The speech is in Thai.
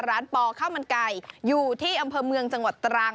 ปอข้าวมันไก่อยู่ที่อำเภอเมืองจังหวัดตรัง